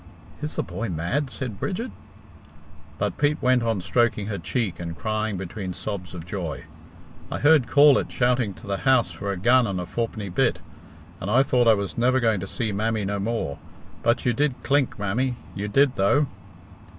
"Is the boy mad?" said Bridget. But Pete went on stroking her cheek and crying between sobs of joy, "I heard Corlett shouting to the house for a gun and a fourpenny bit, and I thought I was never going to see mammy no more. But you did clink, mammy! You did, though!"